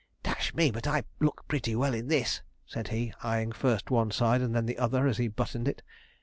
'Dash me, but I look pretty well in this!' said he, eyeing first one side and then the other as he buttoned it.